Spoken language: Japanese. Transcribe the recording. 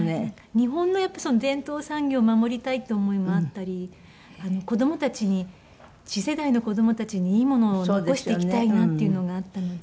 日本の伝統産業を守りたいって思いもあったり子供たちに次世代の子供たちにいいものを残していきたいなっていうのがあったので。